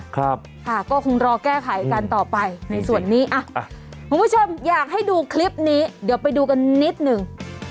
ครับค่ะก็คงรอแก้ไขกันต่อไปในส่วนนี้อ่ะคุณผู้ชมอยากให้ดูคลิปนี้เดี๋ยวไปดูกันนิดหนึ่ง